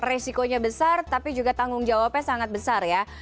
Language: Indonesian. resikonya besar tapi juga tanggung jawabnya sangat besar ya